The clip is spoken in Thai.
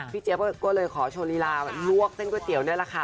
เจี๊ยบก็เลยขอโชว์ลีลาลวกเส้นก๋วเตี๋ยนี่แหละค่ะ